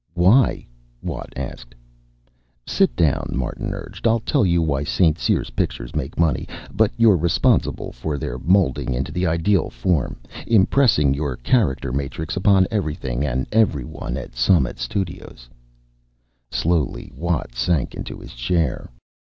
"Why?" Watt asked. "Sit down," Martin urged. "I'll tell you why. St. Cyr's pictures make money, but you're responsible for their molding into the ideal form, impressing your character matrix upon everything and everyone at Summit Studios...." Slowly Watt sank into his chair.